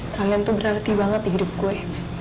kalian tuh berarti banget di hidup gue